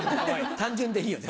単純でいいよね。